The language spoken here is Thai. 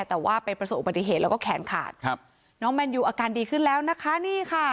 แต่ว่าไปประสบอุบัติเหตุแล้วก็แขนขาดครับน้องแมนยูอาการดีขึ้นแล้วนะคะนี่ค่ะ